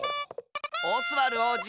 オスワルおうじ！